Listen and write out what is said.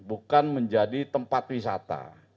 bukan menjadi tempat wisata